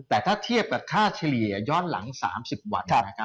แต่ถ้าเทียบกับค่าเฉลี่ยย้อนหลัง๓๐วัน